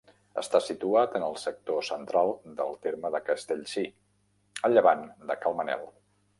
Està situat en el sector central del terme de Castellcir, a llevant de Cal Manel.